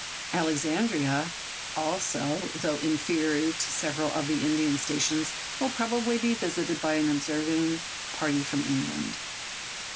Alexandria, also, though inferior to several of the Indian stations, will probably be visited by an observing party from England.